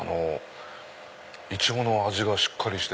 イチゴの味がしっかりしてて。